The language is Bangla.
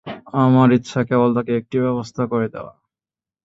আমার ইচ্ছা, কেবল তাকে একটি ব্যবস্থা করে দেয়া।